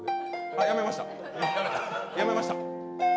あっ、やめました。